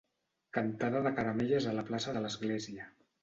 Cantada de caramelles a la plaça de l'església.